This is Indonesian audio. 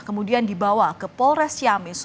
kemudian dibawa ke polres ciamis